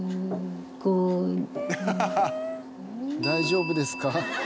大丈夫ですか？